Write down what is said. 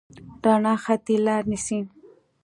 رڼا خطي لاره نیسي.